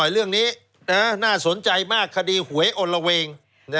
เรื่องนี้น่าสนใจมากคดีหวยอลละเวง